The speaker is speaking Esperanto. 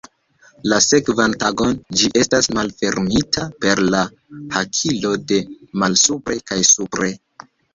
La sekvan tagon ĝi estas malfermita per la hakilo de malsupre kaj supre.